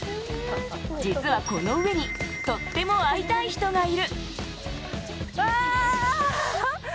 実はこの上に、とっても会いたい人がいる。